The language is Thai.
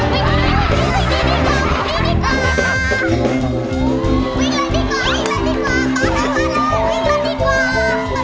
ป๊าให้มาเลยวิ่งเร็วดีกว่า